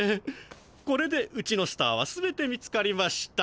これでうちのスターは全て見つかりました。